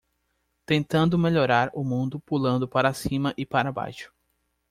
Tentando melhorar o mundo pulando para cima e para baixo.